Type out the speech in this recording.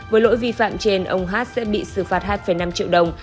với lỗi vi phạm trên ông hát sẽ bị xử phạt hai năm triệu đồng